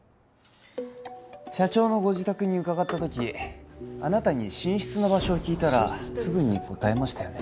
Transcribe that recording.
社長のご自宅に伺った時あなたに寝室の場所を聞いたらすぐに答えましたよね？